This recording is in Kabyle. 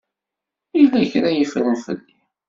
Yella kra ay ffren fell-i?